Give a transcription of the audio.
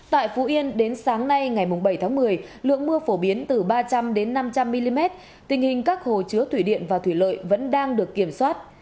tại phú yên đến sáng nay ngày bảy tháng một mươi lượng mưa phổ biến từ ba trăm linh năm trăm linh mm tình hình các hồ chứa thủy điện và thủy lợi vẫn đang được kiểm soát